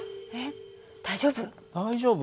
大丈夫。